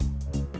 siap singa set